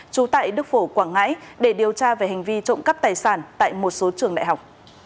trú tại đức phổ quảng ngãi để điều tra về hành vi trộm cắp tài sản tại một số trường đại học